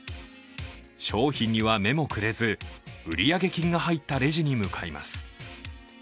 商品には目もくれず、売上金が入ったレジに向かいます。